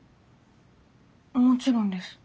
もちろんです。